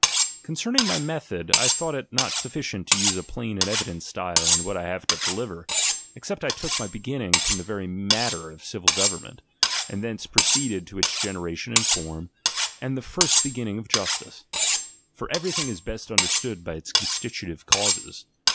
Concerning my method, I thought it not suffi cient to use a plain and evident style in what I have to deli\'er, except I took my beginning from the very matter of ciWl government, and thence proceeded to its generation and form, and the first beginning of justice. For everything is best un derstood by its constitutive causes.